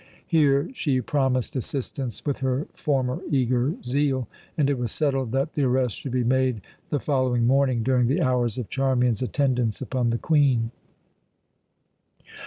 Here she promised assistance with her former eager zeal, and it was settled that the arrest should be made the following morning during the hours of Charmian's attendance upon the Queen.